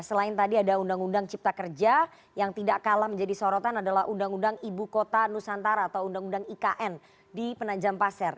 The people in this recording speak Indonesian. selain tadi ada undang undang cipta kerja yang tidak kalah menjadi sorotan adalah undang undang ibu kota nusantara atau undang undang ikn di penajam pasir